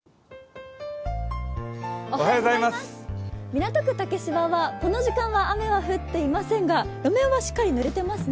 港区竹芝はこの時間は雨は降っていませんが路面はしっかりぬれてますね。